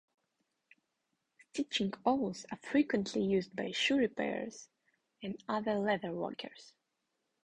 Stitching awls are frequently used by shoe repairers and other leatherworkers.